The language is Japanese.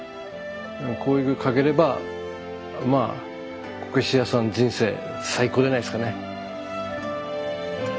こういうの描ければまあこけし屋さんの人生最高じゃないですかね。